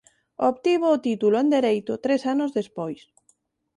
Obtivo o título en dereito tres anos despois.